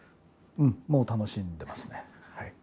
うん、もう楽しんでますね。